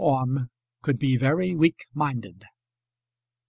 ORME COULD BE VERY WEAK MINDED.